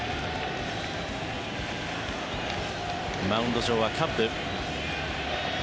マウンド上はカッブ。